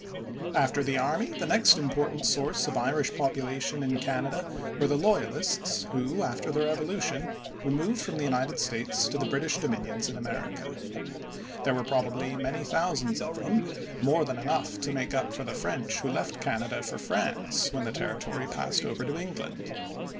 After the army the next important source of Irish population in Canada were the loyalists who after the Revolution removed from the United States to the British Dominions in America. There were probably many thousands of them, more than enough to make up for the French who left Canada for France when the territory passed over to England.